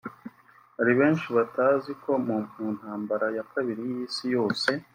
Hari benshi batazi ko mu ntambara ya kabiri y’isi yose